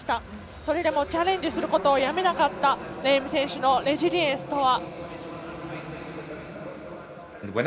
それでもチャレンジをすることをやめなかったレーム選手のレジリエンスとは。